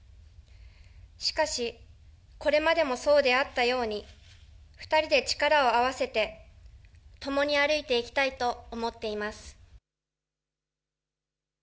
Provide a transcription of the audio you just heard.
しかし、これまでもそうであったように、２人で力を合わせて、共に歩いていきたいと思っています。